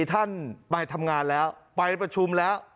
ท่านไปทำงานแล้วไปประชุมแล้ว